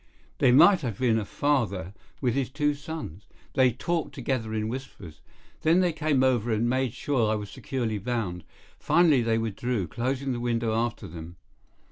They might have been a father with his two sons. They talked together in whispers. Then they came over and made sure that I was securely bound. Finally they withdrew, closing the window after them.